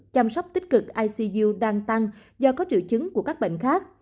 chăm sóc tích cực icu đang tăng do có triệu chứng của các bệnh khác